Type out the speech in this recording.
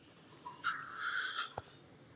دا وسیله د سینې لاندې ځای پر ځای کېږي.